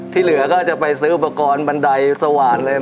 เหลือก็จะไปซื้ออุปกรณ์บันไดสว่านอะไร